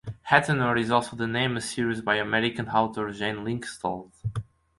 Athanor is also the name a series by American author Jane Lindskold.